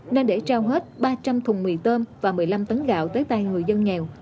nên để trao hết ba trăm linh thùng mì tôm và một mươi năm tấn gạo tới tay người dân nghèo